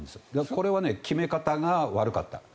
これは決め方が悪かった。